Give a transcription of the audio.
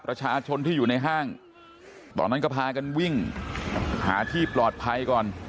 ประชาชนที่อยู่ในห้างตอนนั้นก็พากันวิ่งหาที่ปลอดภัยก่อน